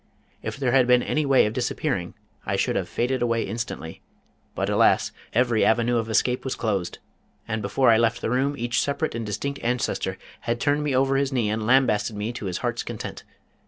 If there had been any way of disappearing I should have faded away instantly, but alas, every avenue of escape was closed, and before I left the room each separate and distinct ancestor had turned me over his knee and lambasted me to his heart's content.